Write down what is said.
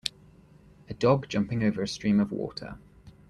A dog jumping over a stream of water.